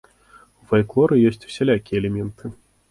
У фальклоры ёсць усялякія элементы.